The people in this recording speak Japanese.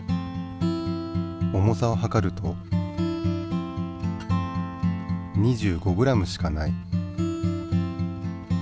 重さをはかると２５ｇしかない。